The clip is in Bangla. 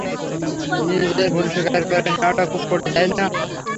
নিজের ভুল স্বীকার করে নেয়াটা খুব কঠিন, তাই না?